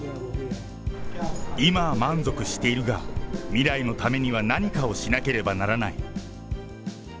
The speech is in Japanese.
今は満足しているが、未来のためには何かをしなければならない。